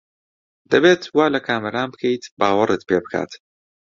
دەبێت وا لە کامەران بکەیت باوەڕت پێ بکات.